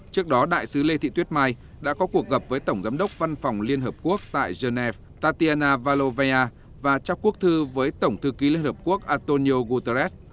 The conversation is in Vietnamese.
trước đó đại sứ lê thị tuyết mai đã có cuộc gặp với tổng giám đốc văn phòng liên hợp quốc tại genève tatiana valovea và trao quốc thư với tổng thư ký liên hợp quốc antonio guterres